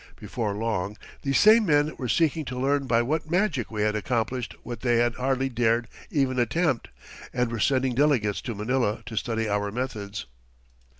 Before long, these same men were seeking to learn by what magic we had accomplished what they had hardly dared even attempt, and were sending delegates to Manila to study our methods.